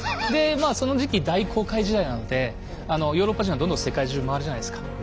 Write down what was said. でまあその時期大航海時代なのでヨーロッパ人はどんどん世界中回るじゃないですか。